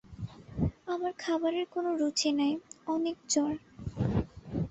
আমার খাবারের কোনো রুচি নাই, অনেক জ্বর।